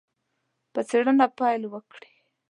په څېړنه پیل وکړي.